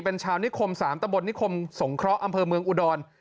เป็นชาวนิคม๓ตะบลนิคมสงเคราะห์อำเภอเมืองอุดร